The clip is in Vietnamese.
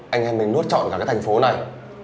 anh em mình nuốt trọn cả cái thành phố này